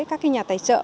các nhà tài trợ